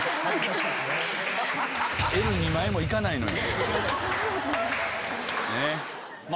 Ｌ２枚も行かないのよ。